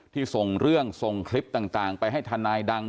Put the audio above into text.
ส่งเรื่องส่งคลิปต่างไปให้ทนายดัง